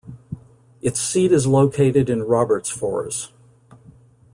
Its seat is located in Robertsfors.